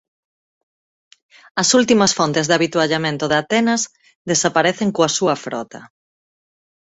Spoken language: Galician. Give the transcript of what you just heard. As últimas fontes de avituallamento de Atenas desaparecen coa súa frota.